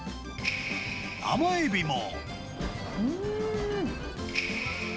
甘エビも。